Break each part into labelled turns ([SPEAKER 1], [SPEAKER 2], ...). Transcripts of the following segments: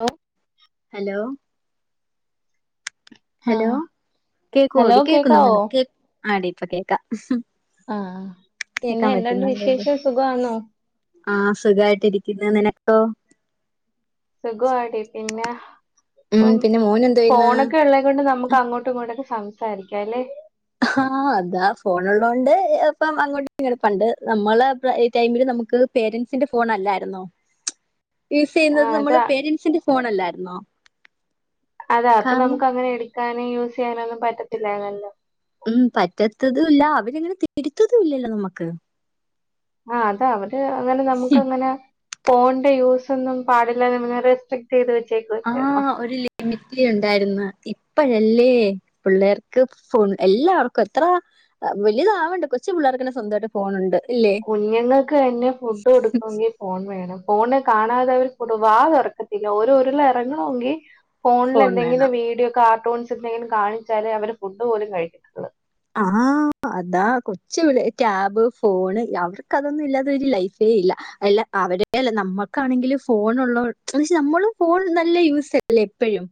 [SPEAKER 1] Hello
[SPEAKER 2] hello hello
[SPEAKER 1] ആഹ്
[SPEAKER 2] കേക്കു
[SPEAKER 1] hello
[SPEAKER 2] ഓടി കേക്കുന്നോ
[SPEAKER 1] കേക്കാവോ
[SPEAKER 2] നിനക്ക് ആടീ ഇപ്പ കേക്കാ
[SPEAKER 1] ആ പിന്നെ എന്ത്ണ്ട് വിശേഷം സുഖമാന്നോ
[SPEAKER 2] ആ സുഖായിട്ടിരിയ്ക്കുന്നു നിനക്കോ?
[SPEAKER 1] സുഖമാടീ പിന്നെ
[SPEAKER 2] ഉം
[SPEAKER 1] ഇപ്പം
[SPEAKER 2] പിന്നെ മോൻ എന്തോ ചെയ്യുന്നു
[SPEAKER 1] ഫോണൊക്കെ ഉള്ളത് കൊണ്ട് നമുക്ക് അങ്ങോട് ട്ടും ഇങ്ങോട്ടൊക്കെ സംസാരിക്കാം അല്ലേ
[SPEAKER 2] ആ അതാ ഫോണ് ള്ളോണ്ട് ഇപ്പം അങ്ങോട്ട് ഇങ്ങണ്ട് പണ്ട് നമ്മള ടൈമില് നമുക്ക് പേരൻറ്സിന്റെ ഫോൺ അല്ലായിരുന്നോ
[SPEAKER 1] [inaudible]
[SPEAKER 2] യൂസ് ചെയ്യുന്നത്
[SPEAKER 1] ആഹ്
[SPEAKER 2] നമ്മള്
[SPEAKER 1] അതാ
[SPEAKER 2] പേരൻസിന്റെ ഫോൺ അല്ലായിരുന്നോ
[SPEAKER 1] അതാ അപ്പൊ
[SPEAKER 2] കാരണം
[SPEAKER 1] നമുക്ക് അങ്ങനെ എടുക്കാനോ യൂസ് ചെയ്യാനോ ഒന്നും പറ്റത്തില്ലായ്ന്നല്ലോ
[SPEAKER 2] ഉം പറ്റത്തതും ഇല്ല അവരങ്ങനെ തരത്തതും ഇല്ലല്ലോ നമ്മക്ക്
[SPEAKER 1] ആ അത അവര് അങ്ങനെ നമുക്ക് അങ്ങനെ ഫോണിന്റെ യൂസ് ഒന്നും പാടില്ല ന്ന് മുന്നറിയിപ്പ് ചെയ്തു വെച്ചേക്കുവാ
[SPEAKER 2] ആ ഒരു ലിമിറ്റ് ഉണ്ടായിരുന്നു ഇപ്പഴല്ലേ പിള്ളേർക്ക് ഫോൺ എല്ലാവർക്കും എത്ര വല്യതാവണ്ട് കൊച്ചു പിള്ളേർക്കന്നെ സ്വന്തായിട്ട് ഫോണ് ണ്ട്
[SPEAKER 1] കുഞ്ഞുങ്ങൾക്ക് തന്നെ ഫുഡ് കൊടുക്കണങ്കിൽ ഫോൺ വേണം ഫോണ് കാണാതെ അവർ കൊടു വാ തുറക്കത്തില്ല ഒരു ഉരുള എറങ്ങണമെങ്കിൽ ഫോൺല്
[SPEAKER 2] ഫോൺ വേണം
[SPEAKER 1] എന്തെങ്കിലും വീഡിയോ കാർട്ടൂൺസ് എന്തെങ്കിലും കാണിച്ചാലേ അവര് ഫുഡ് പോലും കഴിക്കത്തൊള്ളൂ
[SPEAKER 2] ആഹ് അതാ കൊച്ചു പിള്ളേര് ടാബ് ഫോണ് അവർക്ക് അതൊന്നും ഇല്ലാതെ ഒരു ലൈഫേ ഇല്ല അല്ല അവരെ അല്ല നമ്മക്കാണെങ്കിലും ഫോൺ ഒള്ളകൊ എന്ന് വെച്ചാ നമ്മളും ഫോൺ നല്ല യൂസ്സല്ലേ എപ്പഴും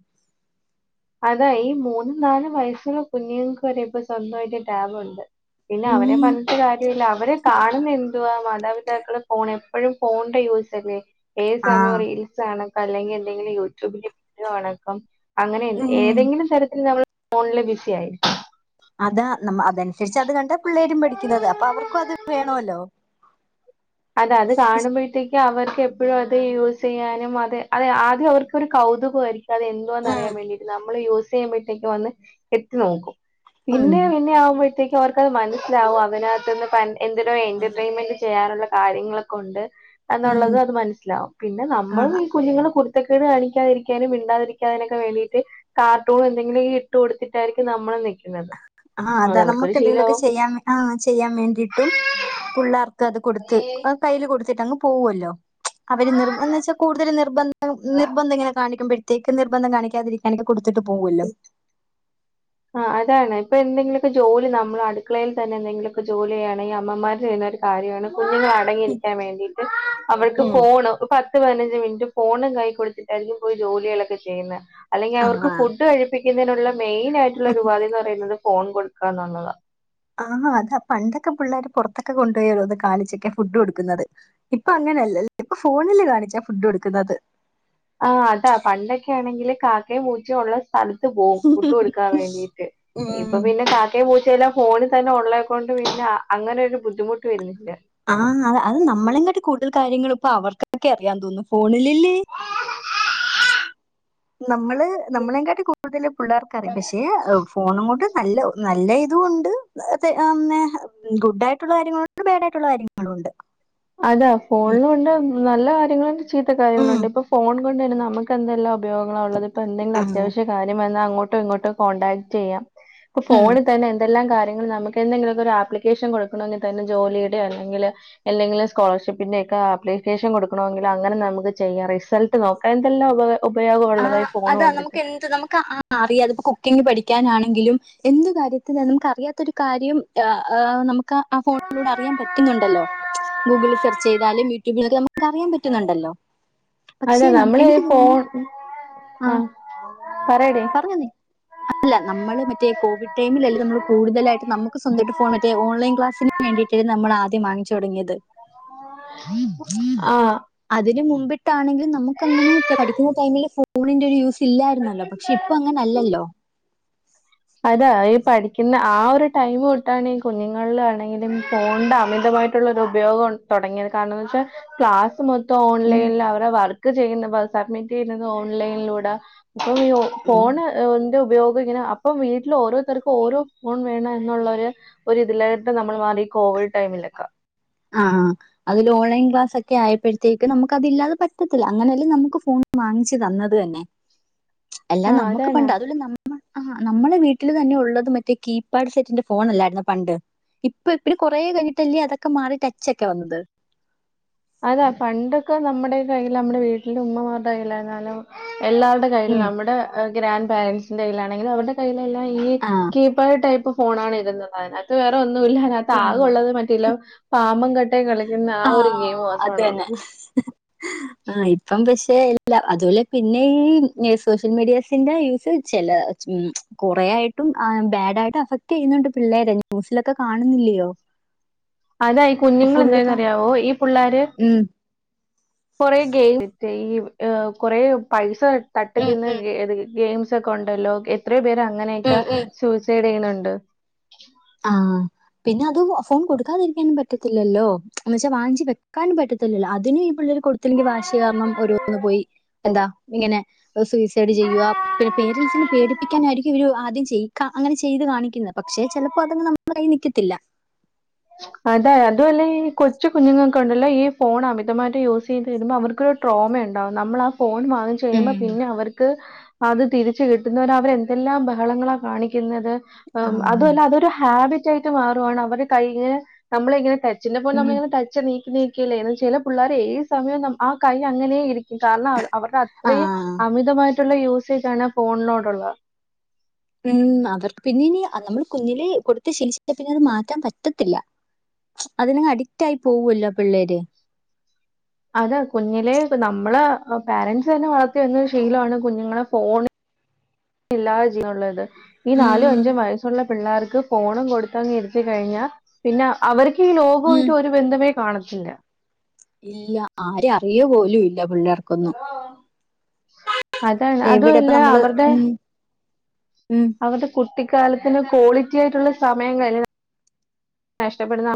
[SPEAKER 1] അതാ ഈ മൂന്നും നാലും വയസ്സുള്ള കുഞ്ഞുങ്ങക്ക് വരെ ഇപ്പ സ്വന്തായിട്ട് ടാബുണ്ട് പിന്നെ അവരെ
[SPEAKER 2] ഉം
[SPEAKER 1] പറഞ്ഞ് കാര്യവില്ല അവരെ കാണുന്ന എന്തുവാ മാതാപിതാക്കള് ഫോൺ എപ്പഴും ഫോണിന്റെ യൂസ്സല്ലേ ഏത് സമയം
[SPEAKER 2] ആഹ്
[SPEAKER 1] റീൽസ് കാണും അല്ലെങ്കി എന്തെങ്കിലും യൂട്യൂബില് വീഡിയോ [unintelligible] അങ്ങനെ എന്ത്
[SPEAKER 2] ഉം
[SPEAKER 1] ഏതെങ്കിലും തരത്തില് നമ്മള് ഫോണില് ബിസി ആയിരിക്കും
[SPEAKER 2] അതാ നമ് അതനുസരിച്ച് അത് കണ്ടാ പിള്ളേരും പഠിക്കുന്നത് അപ്പൊ അവർക്കും അത് വേണവല്ലോ
[SPEAKER 1] അതാ അത് കാണുമ്പഴ്ത്തേക്ക് അവർക്ക് എപ്പഴും അത് യൂസ് ചെയ്യാനും അതെ അതെ ആദ്യം അവർക്കൊരു കൗതുകവായിരിക്കും അത് എന്തുവാന്ന്
[SPEAKER 2] ഉം
[SPEAKER 1] അറിയാൻ വേണ്ടീട്ട് നമ്മള് യൂസ് ചെയ്യുമ്പഴ്ത്തേക്ക് വന്ന് എത്തി നോക്കും
[SPEAKER 2] ഉം
[SPEAKER 1] പിന്നെ പിന്നെ ആവുമ്പഴ് ത്തേക്ക് അവർക്കത് മനസ്സിലാവും അതിനകത്ത്നിന്ന് പ എന്തിനോ എന്റർടൈയിൻമെന്റ് ചെയ്യാനുള്ള കാര്യങ്ങളൊക്കെ ഒണ്ട്
[SPEAKER 2] ഉം
[SPEAKER 1] എന്നുള്ളത് അത് മനസ്സിലാവും പിന്നെ
[SPEAKER 2] ആഹ്
[SPEAKER 1] നമ്മളും [unintelligible] കുഞ്ഞുങ്ങള് കുരുത്തക്കേട് കാണിക്കാതിരിക്കാനും മണ്ടാതിരിക്കാനൊക്കെ വേണ്ടിയിട്ട് കാർട്ടൂണ് എന്തെങ്കിലു ഈ ഇട്ട് കൊടുത്തിട്ടായിരിക്കും നമ്മള് നിക്ക്
[SPEAKER 2] ആഹ് അതാ നമ്മക്ക് എന്തേങ്കിലൊക്കെ ചെയ്യാ ആഹ് ചെയ്യാൻ വേണ്ടീട്ടും പുള്ളാർക്ക് അത് കൊടുത്ത് അത് കൈയില് കൊടുത്തിട്ടങ്ങ് പോവുവല്ലോ അവര് നിർബദ്ധിച്ചാ കൂടുതല് നിർബന്ധം നിർബന്ധം ഇങ്ങനെ കാണിക്കുമ്പഴ് ത്തേക്ക് നിർബന്ധം കാണിക്കാതിരിക്കാണെ കൊടുത്തിട്ട് പോകുവല്ലോ
[SPEAKER 1] ആഹ് അതാണ് ഇപ്പ എന്തെങ്കിലൊക്കെ ജോലി നമ്മള് അടുക്കളേൽ തന്നെ എന്തെങ്കിലൊക്ക ജോലി ചെയ്യാണെങ്കി അമ്മമാരെ കൈയ്യ്ന്നൊരു കാര്യാണ് കുഞ്ഞുങ്ങള് അടങ്ങിയിരിക്കാൻ വേണ്ടീട്ട് അവൾക്ക്
[SPEAKER 2] ഉം
[SPEAKER 1] ഫോണ് പത് പത്ത് പതിനഞ്ച് മിനിറ്റ് ഫോണും കൈ കൊടുത്തിട്ടായിരിക്കും പോയി ജോലികളൊക്കെ ചെയ്യുന്നെ അല്ലെങ്കിൽ അവർക്ക്
[SPEAKER 2] ആഹ്
[SPEAKER 1] ഫുഡ് കഴി പ്പിക്കുന്നതിനുള്ള മെയിൻ ആയിട്ടുള്ള ഒരു ഉപാധിന്ന് പറയുന്നത് ഫോൺ കൊടുക്കാന്നുള്ളതാണ്
[SPEAKER 2] ആന്നു അതാ പണ്ടൊക്കെ പിള്ളാര് പൊറത്തൊക്കെ കൊണ്ടുപോയാ ഓരോന്ന് കാണിച്ചൊക്കെ ഫുഡ് കൊടുക്കുന്നത് ഇപ്പ അങ്ങനെയല്ലൽ ഇപ്പ ഫോണില് കാണിച്ചാ ഫുഡ് കൊടുക്കുന്നത്
[SPEAKER 1] ആഹ് അതാ പണ്ടൊക്കെ ആണെങ്കില് കാക്കേം പൂച്ചയും ഒള്ള സ്ഥലത്ത് പോവും ഫുഡ്കൊടുക്കാൻ വേണ്ടീട്ട്
[SPEAKER 2] ഉം
[SPEAKER 1] ഇപ്പൊ പിന്നെ കാ കാക്കേം പൂച്ചേം എല്ലാം ഫോണി തന്നെ ഒള്ളെക്കൊണ്ട് പിന്നെ അങ്ങനൊരു ബുദ്ധിമുട്ട് വരുന്നില്ലാ
[SPEAKER 2] ആഹ് അതാ അത് നമ്മളെ കാട്ടി കൂടുതൽ കാര്യങ്ങള് ഇപ്പോ അവർക്കൊക്കെ അറിയാന്ന് തോനുന്നു ഫോണില് ലേ
[SPEAKER 1] [inaudible]
[SPEAKER 2] നമ്മള് നമ്മളെ കാട്ടി കൂടുതല് പിള്ളേർക്കറിയാം പക്ഷെ എഹ് ഫോണുങ്ങൊണ്ട് നല്ല നല്ല ഇതുണ്ട് [unintelligible] ഗുഡായിയിട്ടുള്ള കാര്യങ്ങളുണ്ട് ബാഡ് ആയിട്ടുള്ള കാര്യങ്ങളും ഉണ്ട്
[SPEAKER 1] അതാ ഫോണിലുണ്ട് നല്ല കാര്യങ്ങള്ണ്ട് ചീത്ത
[SPEAKER 2] ഉം.
[SPEAKER 1] കാര്യങ്ങളുണ്ട് ഇപ്പൊ ഫോൺ കൊണ്ട് തന്നെ നമ്മക്ക് എന്തെല്ലാം ഉപയോഗങ്ങളാ ഒള്ളത് ഇപ്പ എന്തെങ്കിലും
[SPEAKER 2] ആ.
[SPEAKER 1] അതാവശ്യ കാര്യം വന്നാ അങ്ങോട്ടോ ഇങ്ങോട്ടോ കോണ്ടാക്ട് ചെയ്യാ ഇപ്പൊ
[SPEAKER 2] ഉം.
[SPEAKER 1] ഫോണി തന്നെ എന്തെല്ലാം കാര്യങ്ങള് നമ്മക്ക് എന്തെങ്കിലൊക്ക ഒരു ആപ്ലിക്കേഷൻ കൊടുക്കണോങ്കി തന്നെ ജോലിടെയോ അല്ലെങ്കില് എന്തെങ്കിലും സ്കോളർഷിപ്പിൻ്റെയൊക്കെ ആപ്ലിക്കേഷൻ കൊടുക്കണോങ്കില് അങ്ങനെ നമക്ക് ചെയ്യാം റിസൾട്ട്നോക്കാം എന്തെല്ലാം ഉപ ഉപയോഗ ഒള്ളതാ ഈ ഫോണ് കൊണ്ടിട്ട്
[SPEAKER 2] [unintelligible] നമ്മക്കാ ആഹ് അറിയാ അത് ഇപ്പം കുക്കിംഗ് പഠിക്കാനാണെങ്കിലും എന്തു കാര്യത്തിനാ നമ്മക്ക് അറിയാത്തൊരു കാര്യം ആഹ് ഏഹ് നമക് ക്കാ ആ ഫോണിലൂടെ അറിയാൻ പറ്റുന്നുണ്ടല്ലോ ഗൂഗിൽ സെർച്ച് ചെയ്താലും യൂട്യൂബിലത് നമ്മക്ക് അറിയാൻ പറ്റുന്നുണ്ടല്ലോ
[SPEAKER 1] അതെ നമ്മള് ഈ ഫോൺ
[SPEAKER 2] അ
[SPEAKER 1] ആ പറയടി
[SPEAKER 2] പറഞ്ഞൊ നീ അല്ല നമ്മള് മറ്റേ കോവിഡ് ടൈമിൽല്ല നമ്മള് കൂടുതായിട്ട് നമുക്ക് സ്വന്തമായിട്ട ഫോൺ മറ്റേ ഓൺലൈൻ ക്ലാസിന് വേണ്ടീട്ടായിരുന്നു നമ്മൾ ആദ്യം വാങ്ങിച്ച് തൊടങ്ങിയത്
[SPEAKER 1] ആഹ്
[SPEAKER 2] അതിന് മുമ്പിട്ടാണെങ്കിലും നമുക്ക് അങ്ങനെ പഠിക്കുന്ന ടൈമില് ഫോണിന്റെ ഒരു യൂസ് ഇല്ലായിരുന്നല്ലോ പക്ഷെ ഇപ്പ അങ്ങനെ അല്ലല്ലോ
[SPEAKER 1] അതാ ഈ പഠിക്കുന്ന ആ ഒരു ടൈം തൊട്ടാണ് ഈ കുഞ്ഞുങ്ങളിലാണെങ്കിലും ഫോണിന്റെ അമിതമായിട്ട് ഉപയോഗം തുടങ്ങിയത് കാരണംന്ന് വെച്ചാൽ ക്ലാസ മൊ
[SPEAKER 2] ഉം
[SPEAKER 1] ഓൺലൈനിൽ അവ വർക്ക് ചെയ്യുന്ന സബ്മിറ്റ് ചെയ്യുന്നത് ഓൺലൈനിലൂടെ അപ വ്യൂ
[SPEAKER 2] ഉം
[SPEAKER 1] ഫോൺന്റെ ഉപയോഗം ഇങ്ങനെ അപ്പം വീട്ടിലെഓരോരുത്തർക്കും ഓരോ ഫോൺ വേണം എന്നുള്ളൊരു ഒരു ഇതിലായിട്ട് നമ്മൾ മാറി കോവിഡ് ടൈമില്
[SPEAKER 2] ആഹ് ആഹ് അതില് ഓൺലൈൻ ക്ലാസ് ഒക്കെ ആയപ്പോഴത്തേക്ക് നമുക്ക് അതില്ലാത പറ്റത്തില്ല അങ്ങനെയല്ലാം നമുക്ക് ഫോൺ വാങ്ങിച്ചു തന്നത് തന്നെ എല്ലാം
[SPEAKER 1] ആ
[SPEAKER 2] നമുക്ക്
[SPEAKER 1] അതാണ്
[SPEAKER 2] പണ്ട് അതൊര് ആഹ് നമ്മളെ വീട്ടില് തന്നെ ഉള്ളത് മറ്റേ കീപാഡ് സെറ്റിന്റെ ഫോൺ അല്ലായിരുന്നൊ പണ്ട് ഇപ്പൊ ഇപ്പ കുറേ കഴിഞ്ഞിട്ടല്ലേ അതൊക്കെ മാറി ടച്ചൊക്കെ വന്നത്
[SPEAKER 1] അതാ പണ്ടൊക്കെ നമ്മുടെ കയ്യിൽ നമ്മുടെ വീട്ടിൽ ഉമ്മമാരുടെ കയ്യിലായി എന്നാലും എല്ലാരുടെ കയില്ൽ നമ്മുടെ ഗ്രാൻഡ് പാരൻറ്സിന്റെ കയ്ൽാണെങ്കിൽ അവരുടെ കയ്യിലെല്ലാം ഈ
[SPEAKER 2] ആ
[SPEAKER 1] കിബ് പ്പടൈപ്പ് ഫോൺ ആ ഇരുന്നത് അയിനകത് വേറെ ഒന്നുമില്ല
[SPEAKER 2] ഉം
[SPEAKER 1] താകെഉുള്ളത് മറ്റല്ല പാമ്പം കട്ടേ കളിക്കുന്ന ആ ഒരു ഗെയിം മാത്രമാണ് ഉള്ളത്
[SPEAKER 2] ആഹ് ഇപ്പം പക്ഷേ അ അതുപോലെ പിന്നെ ഈ സോഷ്യൽ മീഡിയാസിന്റെ യൂസ് ചില കുറേ ആയിട്ടും ബാഡയിട്ട് അഫക്ട് ചെയ്യുന്നുണ്ട് പിള്ളേരെ ന്യൂസിലൊക്കെ കാണുന്നില്ലയോ
[SPEAKER 1] അതാ ഈ കുഞ്ഞുങ്ങൾ
[SPEAKER 2] ഫുള്ള് കാ
[SPEAKER 1] എന്താെന്ന്റിയാവോ ഈ പിള്ളാര്
[SPEAKER 2] ഉം.
[SPEAKER 1] കൊറെ ഗെയിം ഈ കൊറെ പൈസ
[SPEAKER 2] ഉം
[SPEAKER 1] തട്ടിക്കുന്ന
[SPEAKER 2] ഉം
[SPEAKER 1] ഗെയിംസ് ഒക്കെ ഉണ്ടല്ലോ എത്രയ പേര അങ്ങനെയൊക്കെ
[SPEAKER 2] ഉം ഉം.
[SPEAKER 1] സൂസൈഡ് ചെയ്യുന്നുണ്ട്
[SPEAKER 2] ആഹ് പിന്നെ അത് ഫോൺ കൊടുക്കാതിരിക്കാനും പറ്റത്തില്ലല്ലോ എന്നവെച്ചാൽ വാഞ്ചി വെക്കാനും പറ്റത്തില്ലല്ലോ അതിനും ഇപ്പോള്ളരു കൊടുത്തില്ലെങ്കിൽ വാശി കാരണം ഓരോന്ന് പോയി എന്താ ഇങ്ങനെ സൂയിസൈഡ് ചെയ്യുക പിന്നെ പേരൻറ്സിനെ പേടിപ്പിക്കാനായിരിക്കും ഇവര് ആദ്യം ചെയ്യും അങ്ങനെ ചെയ്ത് കാണിക്കുന്നത് പക്ഷെ ചിലപ്പോ അതങ്ങ് നമ്മളെ കയി നിക്കത്തില്ല
[SPEAKER 1] അതായ അത അല്ലെ ഈ കൊച്ചു കുഞ്ഞുങ്ങൾക്ക കൊണ്ടല്ലോ ഈ ഫോൺ അമിതമായിട്ട് യൂസ് ചെയ്ത് തരുമ്പോൾ അവർക്ക് ട്രോമ ഉണ്ടാവും നമ്മൾ ആ ഫോൺ വാങ്ങി
[SPEAKER 2] ഉം.
[SPEAKER 1] ചെയ്യുമ്പോ പിന്നെ അവർക്ക് അത് തിരിച്ച കിട്ടുന്നവര് അവരെ എന്തെല്ലാം ബഹളങ്ങളാ കാണിക്കുന്നത്
[SPEAKER 2] ആഹാ.
[SPEAKER 1] അതുമല്ല അതൊരു ഹാബിറ്റ ആയിട്ട് മാറുവാണ് അവര് കൈഞ് നമ്മളെ ഇങ്ങനെ തെ ചിലപ്പോൊ
[SPEAKER 2] ഉം.
[SPEAKER 1] നമ്മങ്ങെ തച്ച നീക്ക് നീ ല്ലേ എന്ന ചില പിള്ളേരെ ഈ സമയം ആ കൈ അങ്ങനെ ഇരിക്കും കാരണം അത് അവരുടെ അത്രയും
[SPEAKER 2] ആഹ്.
[SPEAKER 1] അമിതമായിട്ടുള്ള യൂസേജ ആണ് ഫോണിനോടുള്ളത്
[SPEAKER 2] ഉം അവർക്ക് പിന്നീ നമ്മൾ കുഞ്ഞില് കൊടുത്ത ശീലശിച്ചൽ പിന്നെ അത് മാറ്റാൻ പറ്റത്തില്ല അതിന അഡിക്റ്റ് ആയി പോവല്ലോ പിള്ളേര്
[SPEAKER 1] അതെ കുഞ്ഞിലെ നമ്മള് പാരൻറ്സ് തന്നെ വളർത്തിന്ന് ശീലമാണ് കുഞ്ഞുങ്ങളെ ഫോൺ ഇല്ലാതെ ജ്യൻ ഉള്ളത് ഈ നാലും
[SPEAKER 2] ഉം.
[SPEAKER 1] അഞ്ചും വയസ് പിള്ളേർക്ക് പോണം കൊടുത്തങ്ങി ഇരുത്തി കഴിഞ്ഞാൽ പിന്നെ അവർക്ക് ഈ
[SPEAKER 2] ഉം.
[SPEAKER 1] ലോകയിട്ട് ഒരു ബന്ധമേ കാണത്തില്ല
[SPEAKER 2] ഇല്ല ആരെ അറിയ പോലും ഇല്ല പിള്ളേർക്കൊന്നും
[SPEAKER 1] അത
[SPEAKER 2] എവിടെ ഇപ്പ
[SPEAKER 1] അതുംല്ല
[SPEAKER 2] നമ്മള്
[SPEAKER 1] അവരുടെ
[SPEAKER 2] ഉം ഉം
[SPEAKER 1] അവരുടെ കുട്ടിക്കാലത്തിന് ക്വാളിറ്റി ആയിട്ടുള്ള സമയം [unintelligible] നഷ്ടപ്പെടുന്ന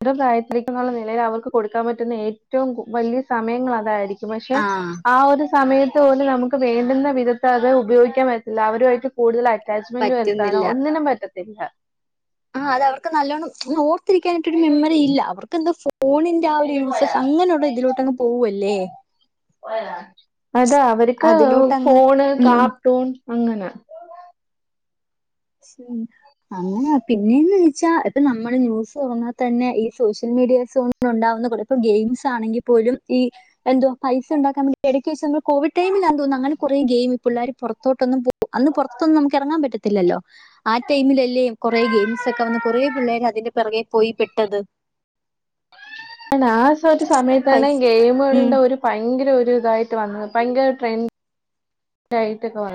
[SPEAKER 1] [unintelligible] എന്നുള്ള നിലയിൽ അവർക്ക് കൊടുക്കാൻ പറ്റുന്ന ഏറ്റവും വലിയ സമയങ്ങൾ അതായിരിക്കും പക്ഷെ
[SPEAKER 2] ആഹ്.
[SPEAKER 1] ആ ഒരു സമയത്ത് പോലും നമുക്ക് വേണ്ടുന്ന വിധത്ത് അത് ഉപയോഗിക്കാൻ പറ്റില്ല അവരുമായിട്ട് കൂടുതല അറ്റാച്ച്മെന്റ് വരുത്താനോ
[SPEAKER 2] പറ്റുന്നില്ല.
[SPEAKER 1] ഒന്നിനും പറ്റത്തില്ല
[SPEAKER 2] ആഹ് അത് അവർക്ക് നല്ലോണം ഓർത്തിരിക്കാനായിട്ടൊരു മെമ്മറി ഇല്ല അവർക്കെന്തൊ ഫോണി ന്റെ ആ ഒരു യൂസസ് അങ്ങനെയുള്ള ഇതിലോട്ടങ്ങ് പോവല്ലേ
[SPEAKER 1] അതാ അവർക്ക്
[SPEAKER 2] അതിലോട്ടങ്ങ്
[SPEAKER 1] ഫോണ്
[SPEAKER 2] ഉം.
[SPEAKER 1] കാർട്ടൂൺ അങ്ങനെ
[SPEAKER 2] [unintelligible] അങ്ങനാ പിന്നെയന്ന് ചെച്ചാ ഇപ്പ നമ്മള് ന്യൂസ് തുറഞ്ഞാൽ തന്നെ ഈ സോഷ്യൽ മീഡിയസോൺ ഉണ്ടാവുന്നൂല ഇപ്പൊ ഗെയിംസ് ആണെങ്കിൽ പോലും ഈ എന്തോ പൈസ ഉണ്ടാക്കാൻ വേ എടക്ക് വെച്ച് നമ്മൾ കോവിടൈമിൽ ആന്തോന്നുന്നു അങ്ങന കുറേ ഗെയിം പിള്ളേര് പുറത്തോട്ടൊന്നും പൊ അന്ന് പുറത്തൊന്നും നമുക്ക് ഇറങ്ങാൻ പറ്റത്തില്ലോ ആ ടൈമിലല്ലേ കൊറെ ഗെയിംസ് ഒക്കെ വന്ന് കുറേ പിള്ളേർ അതിന്റെ പിറകെ പോയി പെട്ടത്
[SPEAKER 1] ആ ഒരു സമയത്താണ്
[SPEAKER 2] പൈസ ഉം
[SPEAKER 1] ഗെയിമുകളുടെ ഒരു ഭയങ്കര ഒരു ഇതായിട്ട് വന്നത് ഭയങ്കര ട്രെൻഡ് ആയിട്ടൊക്കെ വ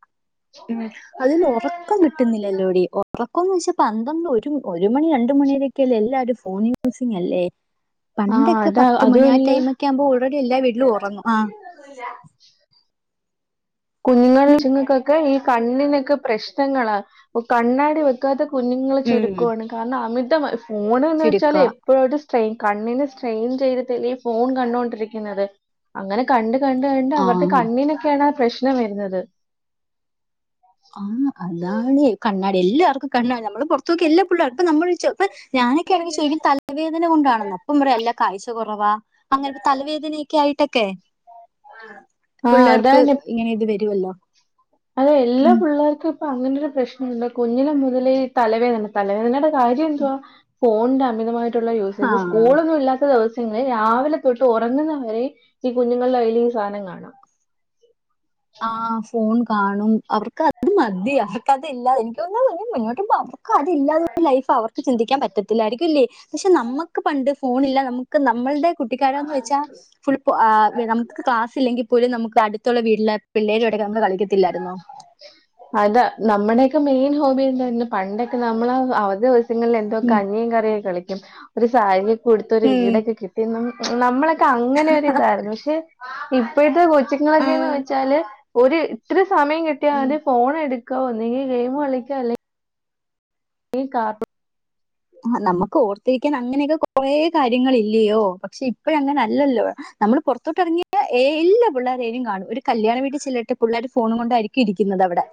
[SPEAKER 2] ഉം അതിൽ ഉറക്കം കിട്ടുന്നില്ലല്ലോടി ഉറക്കം എന്ന് വെച്ചാ പന്ത്രണ്ട് ഒരു ഒരു മണി രണ്ട് മണി വരെ ക്കെലെല്ലാരും ഫോൺ യൂസിങ് അല്ലേ
[SPEAKER 1] ആഹ് അതാ അതുവല്ല
[SPEAKER 2] ക്കാവുമ്പോ ഓൾറെഡി എല്ലാ വീട്ടിലും ഒറങ്ങും ആഹ്
[SPEAKER 1] പിന്നൊന്നും ല്ലാ കുങ്ങൾ കൊച്ചുങ്ങൾക്കൊക്കെ ഈ കണ്ണിനൊക്കെ പ്രശ്നങ്ങളാ പ്പ കണ്ണാടി വ യ്ക്കാത്ത കുഞ്ഞുങ്ങള്
[SPEAKER 2] ഉം
[SPEAKER 1] ചുരുക്കാണ് കാരണം അമിതം ഫോൺ എന്ന് വെച്ചാലെ
[SPEAKER 2] ചുരുക്കവാ
[SPEAKER 1] ഇപ്പോ ഒരു സ്ടെയിൻ കണ്ണിന് സ്ട്രെയിൻ ചെയ്തിട്ടല്ലേ ഈ ഫോൺ കണ്ടോണ്ടിരിക്കുന്നത് അങ്ങനെ കണ്ട് കണ്ട് കണ്ട് അവരുടെ
[SPEAKER 2] ആഹ്
[SPEAKER 1] കണ്ണിനൊക്കെയാണ് ആ പ്രശ്നം വരുന്നത്
[SPEAKER 2] ആഹ് അതാണ് കണ്ണാടി എല്ലാർക്കും കണ്ണാടി നമ്മള് പുറത്തോക്കെ എല്ലാ പുള്ള ഇപ്പ നമ്മൾ ഒഴിച്ചോ അപ്പൊ ഞാനൊക്കെയാണെങ്കിൽ ചോയിക്കും തലവേദന കൊണ്ടാണന്ന് അപ്പൊ പറയും അല്ല കാഴ്ച കൊറവാ അങ്ങനെത്തെ തലവേദനയൊക്കെ ആയിട്ടൊക്കെ
[SPEAKER 1] ആഹ് ആഹ്
[SPEAKER 2] പിള്ളേർക്ക്
[SPEAKER 1] അതാണ്
[SPEAKER 2] ഇങ്ങനെ ഇത് വരുവല്ലോ
[SPEAKER 1] അതെ എല്ലാ
[SPEAKER 2] ഉം
[SPEAKER 1] പിള്ളേർക്കും ഇപ്പൊ അങ്ങനെ ഒരു പ്രശ്നമുണ്ട് കുഞ്ഞിനലെ മുതലേ തലവേദന തലവേദ ത കാര്യം എന്തുവാ ഫോണിന്റെ അമിതമായിട്ടുള്ള യൂസേജ്
[SPEAKER 2] ആഹ്
[SPEAKER 1] സ്കൂളൊന്നും ഇല്ലാത്ത ദിവസ പിന്നെ രാവിലെ തൊട്ട് ഉറങ്ങുന്നവരെ ഈ കുഞ്ഞുങ്ങളുടെ കയ്ൽ ഈ സാധനം കാണാം
[SPEAKER 2] ആഹ് ഫോൺ കാണും അവർക്ക് അത് മതി അവർക്കതില്ലാതെ എനിക്ക് തോനുന്നു ഇനി മുന്നോട്ട് ക്കതില്ലാതൊരു ലൈഫ് അവർക്ക് ചിന്തിക്കാൻ പറ്റത്തില്ലായിരിക്കും ല്ലീ പക്ഷെ നമ്മക്ക് പണ്ട് ഫോണില്ലാതെ നമ്മുക്ക് നമ്മളുടെ കുട്ടിക്കാലം ന്ന് വെച്ചാ ഫുൾ അ നമുക്ക് ക്ലാസ് ഇല്ലെങ്കിൽ പോലും നമുക്ക് അടുത്തുള്ള വീട്ടില പിള്ളേരും ആയിട്ടൊക്കെ നമ്മള് കളിക്കത്തില്ലാരുന്നോ
[SPEAKER 1] അതാ നമ്മുടെയൊക്കെ മെയിൻ ഹോബി എന്തായിരുന്നു പണ്ടൊക്കെ നമ്മള് അവധി ദിവസങ്ങളിൽ എ ദോ കഞ്ഞിം കറിയ കളിക്കും ഒരു സാരിയൊ കൊടുത്ത് ഒരു വീടൊക്കെ കിട്ടി നമ്മളെ ക്ക അങ്ങനൊരു ഇതായിരുന്നു പക്ഷെ ഇപ്പഴത്തെ
[SPEAKER 2] ആ,
[SPEAKER 1] കൊച്ചിങ്ങളൊക്കെന്ന് വെച്ചാല് ഓര് ഇത്ര സമയം കിട്ടിയാൽ
[SPEAKER 2] ഉം.
[SPEAKER 1] അവര് ഫോൺ എടുക്ക ഒന്നെങ്കിൽ ഗെയിം കളിക്കാ അല്ലെ [unintelligible]
[SPEAKER 2] നമ്മുക്ക് ഓർത്തിരിക്കാൻ അങ്ങനെയൊക്കെ കൊറേ കാര്യങ്ങളില്ലയോ പക്ഷെ ഇപ്പഴ അങ്ങനെ അല്ലല്ലോ നമ്മൾ പുറത്തോട്ട ഇറങ്ങിയ എ എല്ലാ പിള്ളോരനും കാണും ഒരു കല്യാണ വീട്ടിൽ ചെല്ലിട്ട് പിള്ളേർ ഫോൺ കൊണ്ടായിരിക്കും ഇരിക്കുന്നത് അവിടെ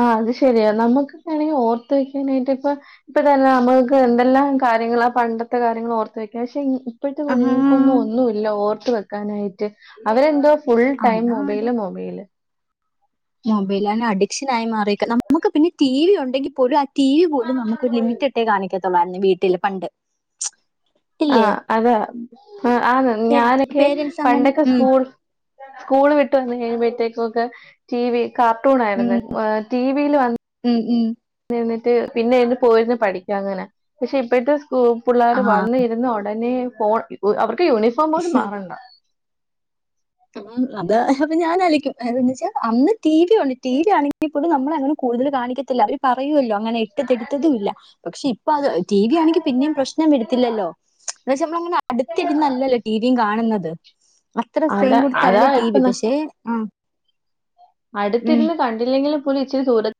[SPEAKER 1] ആഹ് അത് ശരിയാ നമ്മുക്ക് വണെങ്കിൽ ഓർത്ത് വെക്കാനായിട്ട് ഇപ്പ ഇപ്പ തന്നെ നമ്മുക്ക് എന്തെല്ലാം കാര്യങ്ങൾ ആ പണ്ടത്തെ കാര്യങ്ങൾ ഓർത്ത് വെക്കും പക്ഷെ ഇപ്പഴത്തെ കുഞ്ഞുങ്ങൾക്കൊന്നും
[SPEAKER 2] ആഹാ
[SPEAKER 1] ഒന്നുല്ല ഓർത്ത് വെക്കാനായിട്ട് അവരെന്തോ ഫുൾ ടൈം
[SPEAKER 2] അതാണ്
[SPEAKER 1] മൊബൈല് മൊബൈല്
[SPEAKER 2] മൊബൈലാണ് അഡിക്ഷൻ ആയി മാറീക്ക നമുക്ക് പിന്നെ ടി വി ഉണ്ടെങ്കിൽ പോലും ആ ടി വി പോലും നമുക്ക് ഒരു ലിമിറ്റഡ് [unintelligible] കാണിക്കത്തുള്ളായിരുന്നു വീട്ടില് പണ്ട് ഇല്ലേ
[SPEAKER 1] ആഹ് അതാ ആ ആ ഞാനൊക്കെ
[SPEAKER 2] പേരൻസ് അങ്ങനെ
[SPEAKER 1] പണ്ടൊക്കെ
[SPEAKER 2] ഉം
[SPEAKER 1] സ്കൂൾ സ്കൂള് വിട്ട് വന്ന് കഴിയുമ്പോഴത്തേക്കും ഒക്കെ ടി വി കാർട്ടൂൺ ആയിരുന്നു ഏഹ് ടി വിയിൽ വന്ന്
[SPEAKER 2] ഉം ഉം
[SPEAKER 1] നിന്ന്ട്ട് പിന്നെ ഇന്ന് പോയിരുന്നു പഠിക്കാ അങ്ങനെ പക്ഷെ ഇപ്പഴത്തെ സ്കൂ പിള്ളേർ
[SPEAKER 2] ആ
[SPEAKER 1] വന്ന് ചെന്ന ഉടനെ ഫോൺ അവർക്ക് യൂണിഫോം പോലും മാറണ്ട
[SPEAKER 2] ഉം അത് അത് ഞാനായിരിക്കും അ [unintelligible] വെച്ചാ അന്ന് ടി വി ണ്ട് ടി വി ആണെങ്കിൽപ്പോലും നമ്മളങ്ങനെ കൂടുതൽ കാണിക്കത്തില്ല അവര് പറയുവല്ലോ അങ്ങനെ ഇട്ട്ത്തെടുത്തതും ഇല്ല പക്ഷെ ഇപ്പൊ അത് ടി വി ആണെങ്കി പിന്നിം പ്രശ്നം വരുത്തില്ലല്ലോ ന്തച്ചാ നമ്മളങ്ങനെ അടുത്തിരുന്നല്ലല്ലോ ടിവിയും കാണുന്നത് അത്ര ഫ്രെയിൻ
[SPEAKER 1] അതാ അതാ
[SPEAKER 2] കൊടുത്തല്ല ടീ
[SPEAKER 1] ഇപ്പ
[SPEAKER 2] വി പക്ഷെ ആഹ്
[SPEAKER 1] അടുത്തിര്ന്ന് കണ്ടില്ലെങ്കിലും പോലും ഇച്ചിരി ദൂര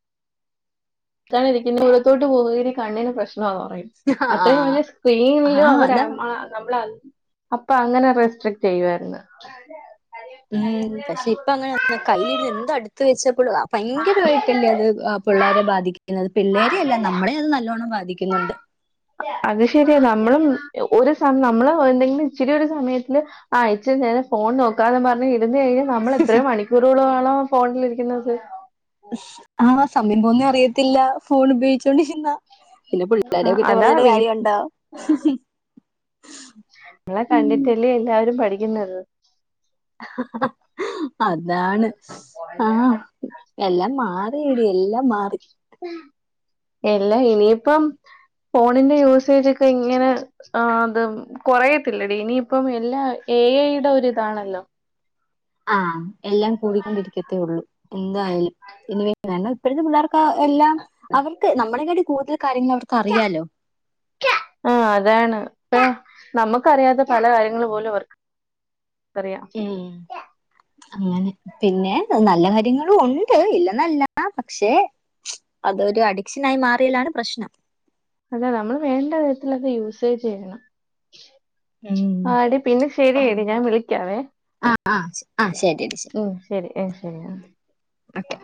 [SPEAKER 1] അതാണ് ഇരിക്ക [unintelligible] ദൂരത്തോട്ട് പോക കണ്ണിന് പ്രശ്നാന്ന് പറയും
[SPEAKER 2] ആ
[SPEAKER 1] അത്രയും വലിയ
[SPEAKER 2] ആ
[SPEAKER 1] സ്ക്രീനിലും അവർ
[SPEAKER 2] അതാ
[SPEAKER 1] എ നമ്മളെ അപ്പൊ അങ്ങനെ റെസ്ട്രിക്ട് ചെയ്യുവായിരുന്നു
[SPEAKER 2] ഉം പക്ഷെ ഇപ്പ അങ്ങനെ കല്ലിന്ന എന്താ അടു ത്ത് വെച്ചപ്പോൾ ഭയങ്കരമായിട്ടല്ലേ അത് പിള്ളേരെ ബാധിക്കുന്നത് പിള്ളേരെയ അല്ല നമ്മളെ അത് നല്ലോണ്ണം ബാതി തിക്കുന്നുണ്ട്
[SPEAKER 1] അത് ശരിയ നമ്മളും ഒരു സ നമ്മള് എന്തെങ്കിലും ഇച്ചിരി ഒരു സമയത്തില് ആ ഇച്ചിരി നേരം ഫോൺ നോക്കാന്ന് പർഞ്ഞ് ഇരുന്നു കഴിഞ്ഞ നമ്മൾ എത്ര മണിക്കൂറോളം ആണോ ഫോണിലിരിക്കുന്നത്
[SPEAKER 2] ആഹ് സമയം പോന്നെ അറിയത്തില്ല ഫോൺ ഉപയോഗിച്ചോണ്ടിരിന്ന. പിന്നെ
[SPEAKER 1] ആ,
[SPEAKER 2] പുള്ളിക്കാരെ കുറ്റം
[SPEAKER 1] അതാ
[SPEAKER 2] പറഞ്ഞിട്ടു
[SPEAKER 1] വീട്ടിലെ
[SPEAKER 2] കാര്യംണ്ടോ.
[SPEAKER 1] ങ്ങളെ കണ്ടിട്ടല്ലേ എല്ലാരും പഠിക്കുന്നത്
[SPEAKER 2] ആഹാ ആഹാ.. അതാണ് ആഹ് എല്ലാം മാറിയടി എല്ലാം മാറി.
[SPEAKER 1] പ്പാ. എല്ലാ ഇനിയിപ്പം ഫോണിന്റെ യൂസേജോക്കെ ഇങ്ങനെ. ആഹ് അത് കൊറയത്തില്ലഡി ഇനിയിപ്പയെല്ലാ എ ഐ ടെ ഒരുതാണല്ലോ.
[SPEAKER 2] ആഹ് എല്ലാം കൂടിക്കൊണ്ടിരിക്കത്തേയുള്ളൂ എന്തായാലും ഇനി. കാരണം ഇപ്പഴത്തെ പിള്ളേർക്ക് എല്ലാം അവർക്ക് നമ്മളെകാട്ടി കൂടുതൽ കാര്യങ്ങൾ അവർക്ക് അറിയാല്ലോ.
[SPEAKER 1] ആഹ് അതാണ് പ്പ നമ്മക്കറിയാത്ത പല കാര്യങ്ങളുപോലും അവർക്ക്. പർയാ.
[SPEAKER 2] ഉം. അങ്ങനെ പിന്നെ നല്ലകാര്യങ്ങളു ഉണ്ട് ഇല്ലെന്നല്ല പക്ഷെ. അതൊരു അഡിക്ഷനായി മാറിയലാണ് പ്രശ്നം.
[SPEAKER 1] അതാ നമ്മള് വേണ്ട വിധത്തിലത് യൂസേജ് ചെയ്യണം.
[SPEAKER 2] ഉം
[SPEAKER 1] ആടി പിന്നെ
[SPEAKER 2] ഉം.
[SPEAKER 1] ശരിയെടി ഞാൻ വിളിക്കാവേ
[SPEAKER 2] ആ ശ- ആ ശരി
[SPEAKER 1] ഉം. ശരി അഹ് ശരി ആ
[SPEAKER 2] ഒക്കെ